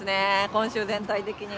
今週全体的に。